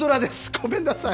ごめんなさい。